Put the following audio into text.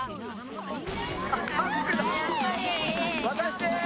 「私です！